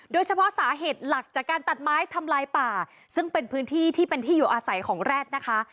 โดยเฉพาะสาเหตุหลักจากการตัดไม้ทำลายป่าซึ่งเป็นพื้นที่ที่เป็นที่อยู่อาศัยของแร็ดนะคะ